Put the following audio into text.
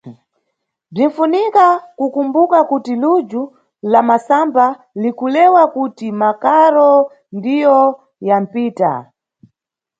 Bzinʼfunika kukumbuka kuti lujhu la masamba likulewa kuti makaro ndiyo yamʼpita.